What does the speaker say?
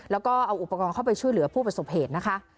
แล้วก็เอาอุปกรณ์เข้าไปช่วยเหลือผู้ประสบเหตุนะคะ